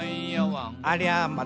「ありゃま！